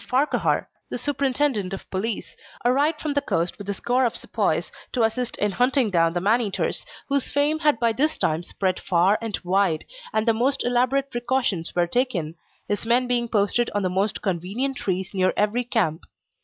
Farquhar, the Superintendent of Police, arrived from the coast with a score of sepoys to assist in hunting down the man eaters, whose fame had by this time spread far and wide, and the most elaborate precautions were taken, his men being posted on the most convenient trees near every camp.